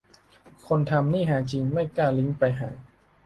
คนทำนี่ฮาจริง ไม่กล้าลิงก์ไปหา